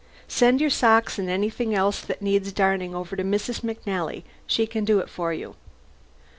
Send your socks and anything else that needs darning over to Mrs. McNally, she can do it for you.